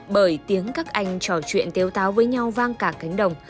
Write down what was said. bởi tiếng các anh trò chuyện tiêu táo với nhau vang cả cánh đồng